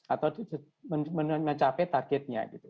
atau mencapai targetnya